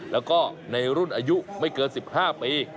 แล้วก็ในรุ่นอายุไม่เกิน๑๕ปี